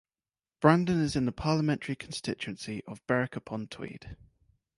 Brandon is in the parliamentary constituency of Berwick-upon-Tweed.